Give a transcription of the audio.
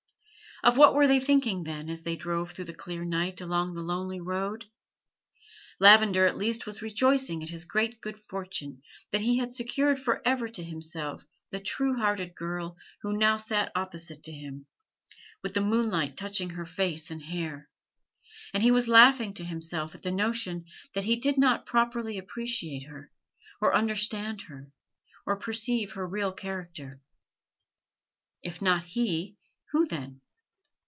Of what were they thinking, then, as they drove through the clear night along the lonely road? Lavender at least was rejoicing at his great good fortune that he had secured for ever to himself the true hearted girl who now sat opposite to him, with the moonlight touching her face and hair; and he was laughing to himself at the notion that he did not properly appreciate her or understand her or perceive her real character. If not he, who then?